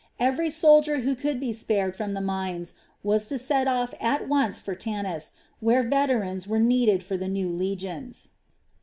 Every soldier who could be spared from the mines was to set off at once for Tanis, where veterans were needed for the new legions.